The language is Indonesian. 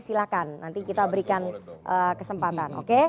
silahkan nanti kita berikan kesempatan